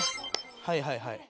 はいはいはい。